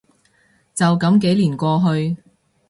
就噉幾年過去